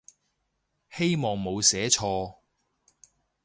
希望冇寫錯